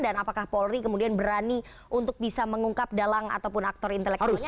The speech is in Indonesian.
dan apakah polri kemudian berani untuk bisa mengungkap dalang ataupun aktor intelektualnya